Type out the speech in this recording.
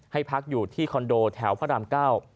พักอยู่ที่คอนโดแถวพระรามเก้า